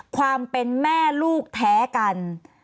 ความเป็นแม่ลูกแท้กัน